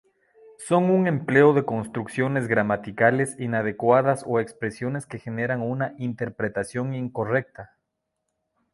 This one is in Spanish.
Son un empleo de construcciones gramaticales inadecuadas o expresiones que generan una interpretación incorrecta.